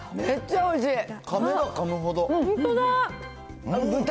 めっちゃおいしい。